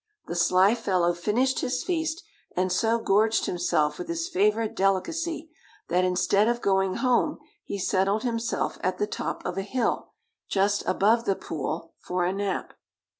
The sly fellow finished his feast, and so gorged himself with his favorite delicacy that instead of going home he settled himself at the top of a hill, just above the pool, for a nap.